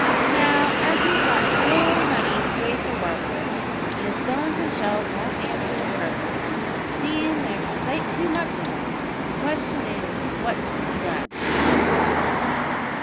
Now, as we've got no money to pay for work with, and as stones an' shells won't answer the purpus seein' there's a sight too much of 'em the question is, what's to be done?"